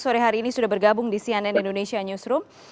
sore hari ini sudah bergabung di cnn indonesia newsroom